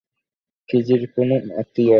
কিজির কোন আত্মীয়?